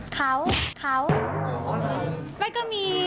เปิมพลังให้กันหน่อยไหม